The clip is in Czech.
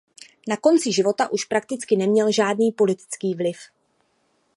Ke konci života už prakticky neměl žádný politický vliv.